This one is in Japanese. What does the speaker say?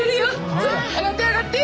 さあ上がって上がって！